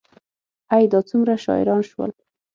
ای، دا څومره شاعران شول